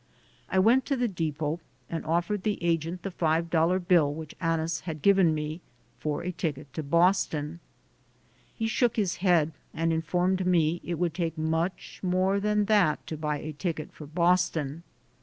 I went to the depot and offered the agent the five dollar bill which Annis had given me, for a ticket to Boston. He shook his head and informed me it would take much more than that to buy a ticket for Boston.